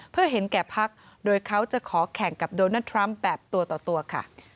เพื่อเห็นแก่พักโดยเขาจะขอแข่งกับโดนัลดทรัมป์แบบตัวต่อตัวค่ะ